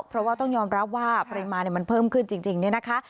เพราะว่าต้องยอมรับว่าปริมาณมันเพิ่มขึ้นจริงเนี่ยนะคะ